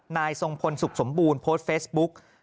นายทรงพลสุขสมบูรณ์โพสต์เฟซบุ๊ก